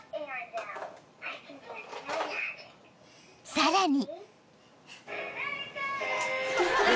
［さらに］